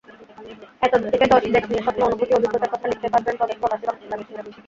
এতে দেশ নিয়ে স্বপ্ন, অনুভূতি, অভিজ্ঞতার কথা লিখতে পারবেন প্রবাসী বাংলাদেশিরা।